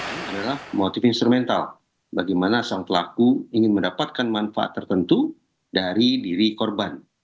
ini adalah motif instrumental bagaimana sang pelaku ingin mendapatkan manfaat tertentu dari diri korban